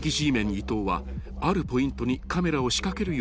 伊東はあるポイントにカメラを仕掛けるよう指示］